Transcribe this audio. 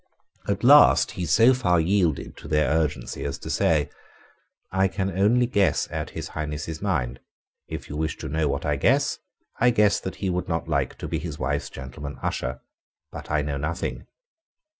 At last he so far yielded to their urgency as to say, "I can only guess at His Highness's mind. If you wish to know what I guess, I guess that he would not like to be his wife's gentleman usher: but I know nothing."